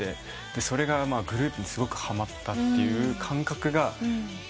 それがグループにすごくはまったっていう感覚が。